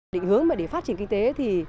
định hướng mà để phát triển kinh tế thì